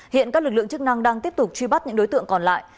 hiện các lực lượng chức năng đang tiếp tục truy bắt những đối tượng còn lại